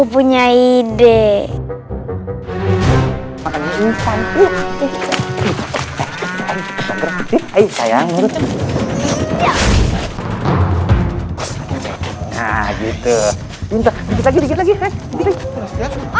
sudahlah gua pulang terus